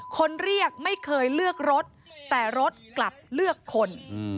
คนเรียกไม่เคยเลือกรถแต่รถกลับเลือกคน